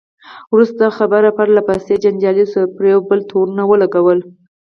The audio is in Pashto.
وروسته خبره لا پسې جنجالي شوه، پر یو بل یې تورونه ولګول.